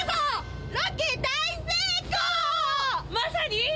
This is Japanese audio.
まさに。